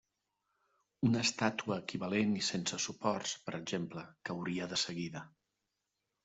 Una estàtua equivalent i sense suports, per exemple, cauria de seguida.